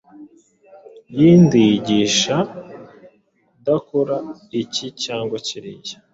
yindi yigisha kudakora iki cyangwa kiriya.